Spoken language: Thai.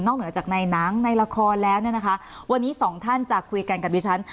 เหนือจากในหนังในละครแล้วเนี่ยนะคะวันนี้สองท่านจะคุยกันกับดิฉัน